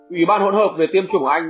ủy ban hỗn hợp về tiêm chủng của anh